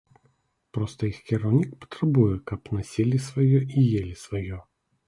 Проста іх кіраўнік патрабуе, каб насілі сваё і елі сваё.